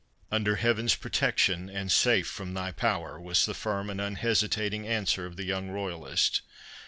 "Under Heaven's protection, and safe from thy power," was the firm and unhesitating answer of the young royalist.